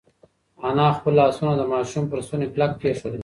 انا خپل لاسونه د ماشوم پر ستوني کلک کېښودل.